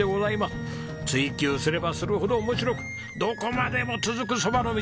追求すればするほど面白くどこまでも続く蕎麦の道！